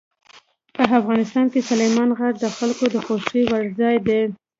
په افغانستان کې سلیمان غر د خلکو د خوښې وړ ځای دی.